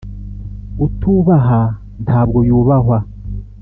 utubaha ntabwo yubahwa.